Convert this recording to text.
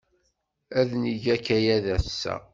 Ad neg akayad ass-a.